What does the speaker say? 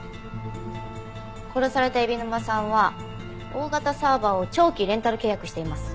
殺された海老沼さんは大型サーバーを長期レンタル契約しています。